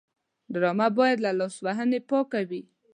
ډرامه باید له لاسوهنې پاکه وي